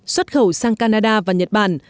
xuất khẩu sang canada và nhật bản